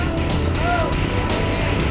gua mau ke sana